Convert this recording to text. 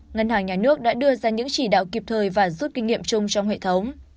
ngân hàng nhà nước đã đưa ra những chỉ đạo kịp thời và rút kinh nghiệm chung trong hệ thống